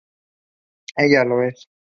Ella lo es.